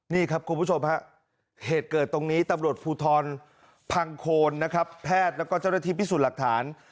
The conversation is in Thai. นี่ครับคุณผู้ชมฮะเหตุเกิดตรงนี้ตำรวจภูทรพังโคนนะครับแพทย์แล้วก็เจ้าหน้าที่พิสูจน์หลักฐาน